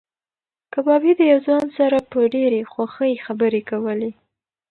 کبابي د یو ځوان سره په ډېرې خوښۍ خبرې کولې.